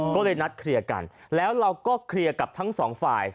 ก็เลยนัดเคลียร์กันแล้วเราก็เคลียร์กับทั้งสองฝ่าย